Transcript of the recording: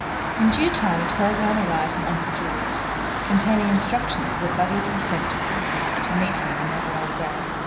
In due time a telegram arrived from uncle Julius, containing instructions for the buggy to be sent to Gool Gool to meet him and Everard Grey.